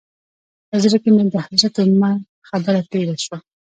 په زړه کې مې د حضرت عمر خبره تېره شوه.